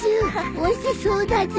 おいしそうだじょ。